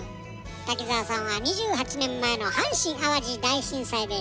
滝澤さんは２８年前の阪神・淡路大震災で被災したの。